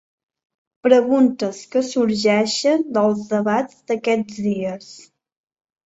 Preguntes que sorgeixen dels debats d'aquests dies.